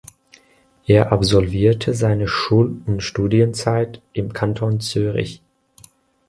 Er absolvierte seine Schul- und Studienzeit im Kanton Zürich.